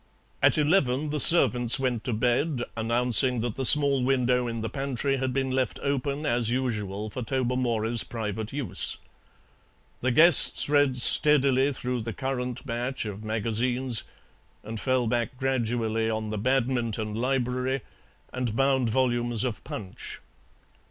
At eleven the servants went to bed, announcing that the small window in the pantry had been left open as usual for Tobermory's private use. The guests read steadily through the current batch of magazines, and fell back gradually, on the "Badminton Library" and bound volumes of PUNCH.